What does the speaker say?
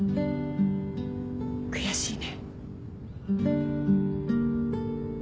悔しいね。